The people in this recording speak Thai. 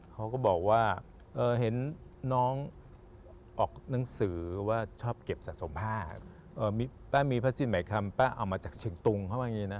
เขาก็บอกว่าเห็นน้องออกหนังสือว่าชอบเก็บสะสมผ้าป้ามีผ้าสิ้นหมายคำป้าเอามาจากเชียงตุงเข้ามาอย่างนี้นะ